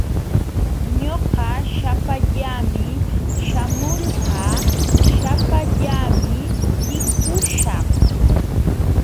Ñuqa shapallaami shamulqaa, shapallaami likuśhaq.